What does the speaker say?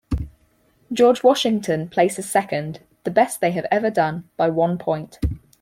George Washington places second, the best they have ever done, by one point.